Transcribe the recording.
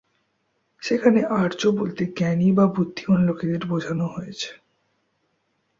সেখানে আর্য বলতে জ্ঞানী বা বুদ্ধিমান লোকদের বোঝানো হয়েছে।